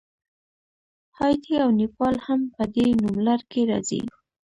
هایټي او نیپال هم په دې نوملړ کې راځي.